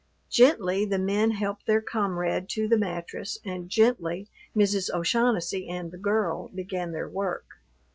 Gently the men helped their comrade to the mattress and gently Mrs. O'Shaughnessy and the girl began their work.